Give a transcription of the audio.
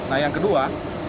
nah yang kedua